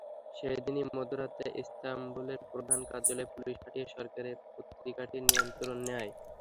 সেদিনই মধ্যরাতে ইস্তাম্বুলের প্রধান কার্যালয়ে পুলিশ পাঠিয়ে সরকার পত্রিকাটির নিয়ন্ত্রণ নেয়।